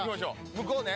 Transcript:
向こうね？